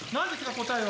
答えは。